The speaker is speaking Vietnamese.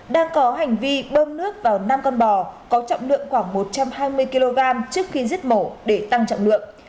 đang có hành vi bơm nước vào năm con bò có trọng lượng khoảng một trăm hai mươi kg trước khi giết mổ để tăng trọng lượng